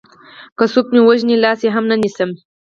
که څوک مې وژني لاس يې هم نه نيسم